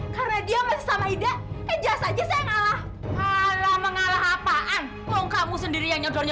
sampai jumpa di video selanjutnya